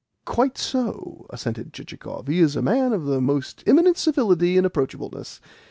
"Quite so," assented Chichikov. "He is a man of the most eminent civility and approachableness.